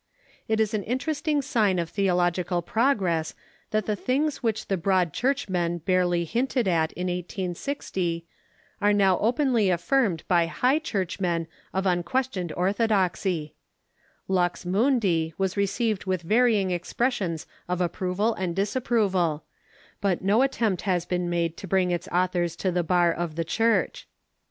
It is an interesting sign of theological progress that the things which the Broad Churchmen barely hinted at in 1860 are now openly affirmed by Iligh Churchmen of unquestioned THE EXCxLISH UXIVEKSITIES 359 orthodox3^* "Lux Mundi " was received Avith varying ex pressions of approval and disapproval, but no attempt has been made to bring its autliors to tlie bar of the Church.